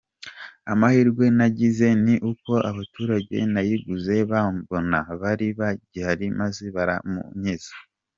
Amahirwe nagize ni uko abaturage nayiguze bambona bari bagihari maze baramunkiza!”.